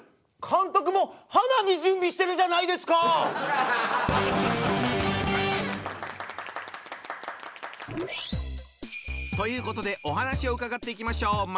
監督も花火準備してるじゃないですか！ということでお話を伺っていきましょう。